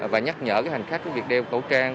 và nhắc nhở cái hành khách có việc đeo khẩu trang